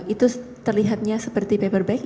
itu terlihatnya seperti paper bag